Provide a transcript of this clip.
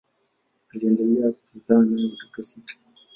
Aliendelea kuzaa naye watoto sita.